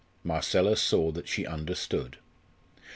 Marcella saw that she understood.